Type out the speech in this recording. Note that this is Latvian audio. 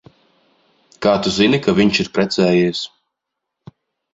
Kā tu zini, ka viņš ir precējies?